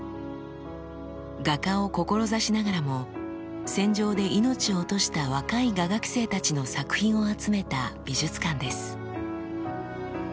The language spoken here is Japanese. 画家を志しながらも戦場で命を落とした若い画学生たちの作品を集めた美術館です。